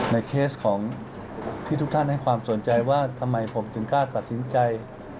เคสของที่ทุกท่านให้ความสนใจว่าทำไมผมถึงกล้าตัดสินใจ